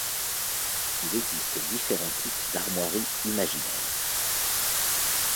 Il existe différents types d'armoiries imaginaires.